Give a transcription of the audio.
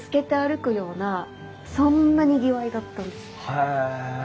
へえ。